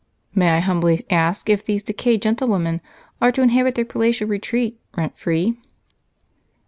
"May I humbly ask if these decayed gentlewomen are to inhabit their palatial retreat rent free?"